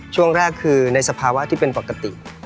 ช่วงแรกคือในสภาวะที่เป็นปกติ